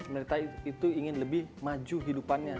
pemerintah itu ingin lebih maju hidupannya